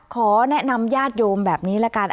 ขอแนะนำญาติโยมแบบนี้ละกัน